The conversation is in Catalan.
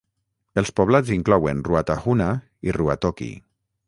Els poblats inclouen Ruatahuna i Ruatoki.